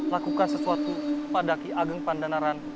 lakukan sesuatu pada ki ageng pandanaran